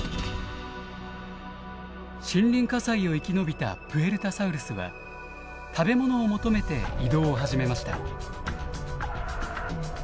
森林火災を生き延びたプエルタサウルスは食べ物を求めて移動を始めました。